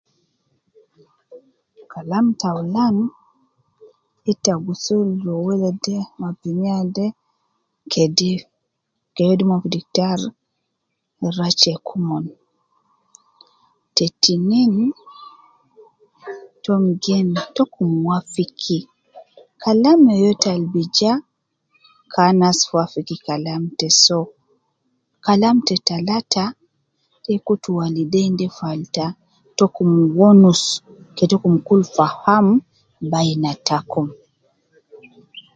Kalam taulan ita gi sul yowele de ma binia de kede, ke wedi omon fi diktar rua checki omon, te tinin, tom gen tokum wafiki, Kalam yoyote al bi ja, ke anasi wafiki Kalam te soo, Kalam te talata te kutu waleidein de falata tokum wonus ke takum kul faham baina takum